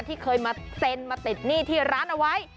ที่เคยมาเซ็นมาติดหนี้ที่ร้านเอาไว้